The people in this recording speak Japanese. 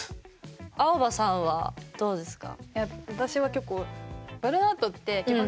アオバさんはどうですか？